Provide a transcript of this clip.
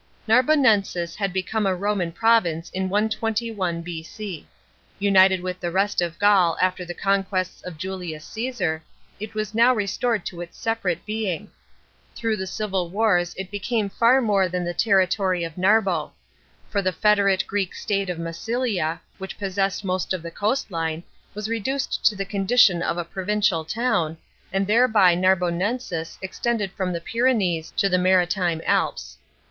Narbonensis had become a Roman province in 121 B.C. United with the rest of Gaul after the conquests of Julius Caesar, it was now restored to its separate being. Through the civil wars it became far more than the territory of Narbo; for the federate Greek state of Massilia, which possessed most of the coast line, was reduced to the condition of a provincial town, and thereby Narbonensis extended from the Pynnees to the Maritime Alps.